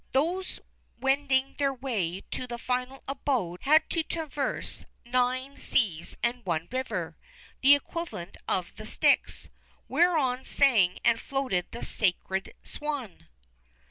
Those wending their way to the final abode had to traverse nine seas and one river the equivalent of the Styx whereon sang and floated the sacred swan